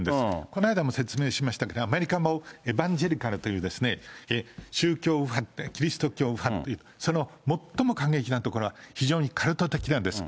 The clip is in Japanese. この間も説明しましたけど、アメリカも、エバンジェリカルっていう、宗教団体、キリスト教右派という、最も過激なところは非常にカルト的なんです。